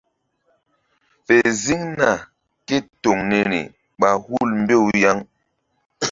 Fe ziŋna ke toŋ niri ɓa hul mbew yaŋ.